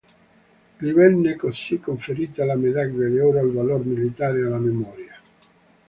Gli venne così conferita la Medaglia d'oro al valor militare alla memoria.